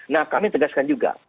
nah kami tegaskan juga